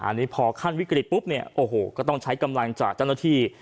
อันนี้พอขั้นวิกฤตปุ๊บเนี่ยโอ้โหก็ต้องใช้กำลังจากเจ้าหน้าที่